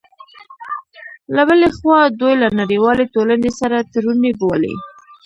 له بلې خوا، دوی له نړیوالې ټولنې سره تړوني بولي